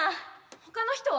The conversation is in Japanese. ほかの人は？